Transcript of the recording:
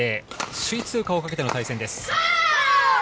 首位通過をかけての戦いです。